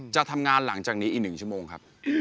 จะทำงานหลังจากนี้อีก๑ชั่วโมงครับ